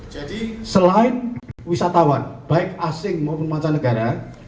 jadi selain wisatawan baik asing maupun mancanegara